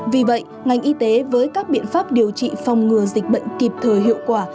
vì vậy ngành y tế với các biện pháp điều trị phòng ngừa dịch bệnh kịp thời hiệu quả